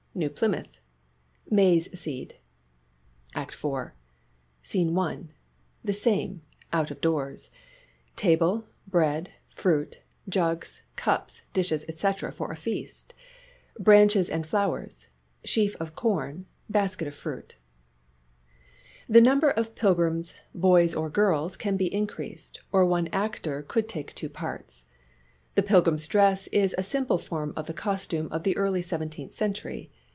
NEW PLYMOUTH." Maize seed. ACT IV SCENE I. The same ; out of doors. Table, bread, fruit, jugs, cups, dishes, &c., for a feast. Branches and flowers, sheaf of corn, basket of fruit. The number of pilgrims, boys or girls can be increased, or one actor could take two parts. The pilgrims' dress is a simple form of the costume of the early seventeenth century.